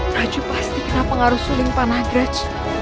raju pasti kenapa harus suling pak nagraj